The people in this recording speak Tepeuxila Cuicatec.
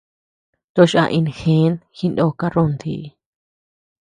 Tochi a inu jee, jinó karrunti.